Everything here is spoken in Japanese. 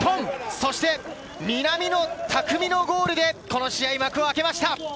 そして南野拓実のゴールで、この試合、幕をあけました。